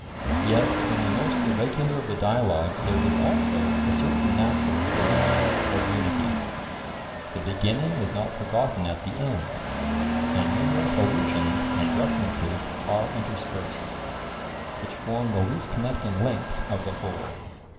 Yet in the most irregular of the dialogues there is also a certain natural growth or unity; the beginning is not forgotten at the end, and numerous allusions and references are interspersed, which form the loose connecting links of the whole.